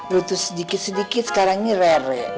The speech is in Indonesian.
lu tuh sedikit sedikit sekarang ini rere